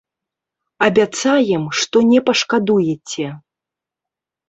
Абяцаем, што не пашкадуеце.